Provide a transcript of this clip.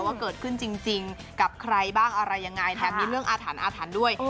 ว่าเกิดขึ้นจริงกับใครบ้างอะไรยังไงแถมมีเรื่องอาถรรพ์ด้วย